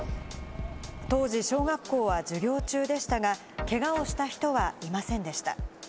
当時、小学校は授業中でしたが、けがをした人はいませんでした。